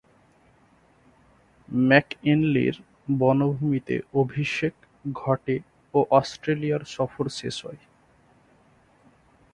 ম্যাকইনলি'র বনভূমিতে অভিষেক ঘটে ও অস্ট্রেলিয়া সফর শেষ হয়।